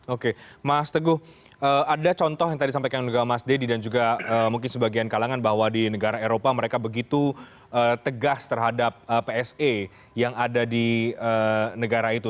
oke mas teguh ada contoh yang tadi disampaikan juga mas deddy dan juga mungkin sebagian kalangan bahwa di negara eropa mereka begitu tegas terhadap pse yang ada di negara itu